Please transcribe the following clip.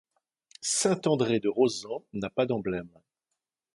Saint-André-de-Rosans n'a pas d'emblème.